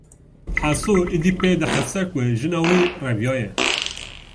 Heso êdî pê dihese ku jina wî reviyaye